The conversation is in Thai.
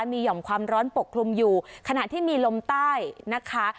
มีห่อมความร้อนปกคลุมอยู่ขณะที่มีลมใต้นะคะ